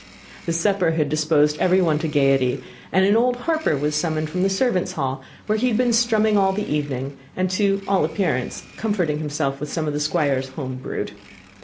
The supper had disposed every one to gaiety, and an old harper was summoned from the servants' hall, where he had been strumming all the evening, and to all appearance comforting himself with some of the Squire's home brewed.